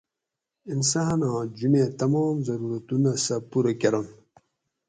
انساناں جونیں تمام ضرورتونہ سہ پُورہ کۤرنت